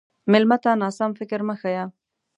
مېلمه ته ناسم فکر مه ښیه.